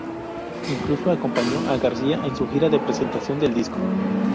Incluso acompañó a García en su gira de presentación del disco.